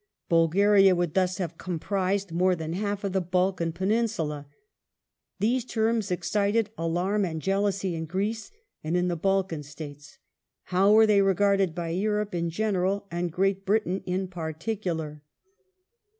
^ Bulgaria would thus have comprised " more than half of the Balkan Peninsula "} These terms excited alarm and jealousy in Greece and in the Balkan States. How were they regarded by Europe in general and Great Britain in particular